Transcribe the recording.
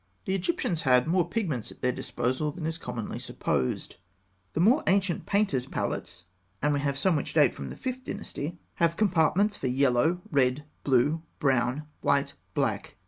The Egyptians had more pigments at their disposal than is commonly supposed. The more ancient painters' palettes and we have some which date from the Fifth Dynasty have compartments for yellow, red, blue, brown, white, black, and green.